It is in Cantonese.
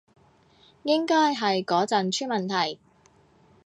應該係嗰陣出問題